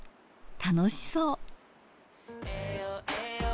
楽しそう。